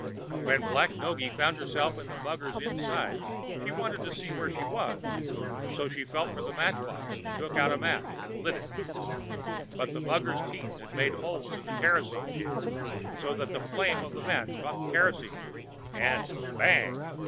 When Black Noggy found herself in the mugger's dark inside, she wanted to see where she was, so she felt for the match box, and took out a match and lit it. But the mugger's teeth had made holes in the kerosene tin, so that the flame of the match caught the kerosene, and BANG!!